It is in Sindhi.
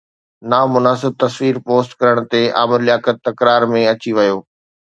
نامناسب تصوير پوسٽ ڪرڻ تي عامر لياقت تڪرار ۾ اچي ويو